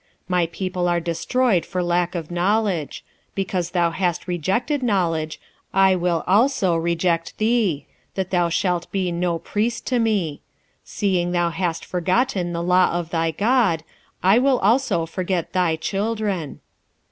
4:6 My people are destroyed for lack of knowledge: because thou hast rejected knowledge, I will also reject thee, that thou shalt be no priest to me: seeing thou hast forgotten the law of thy God, I will also forget thy children.